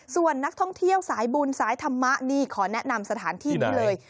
ส่วนนักท่องเที่ยวสายบุญสายธรรมะนี่ขอแนะนำสถานที่นี้เลย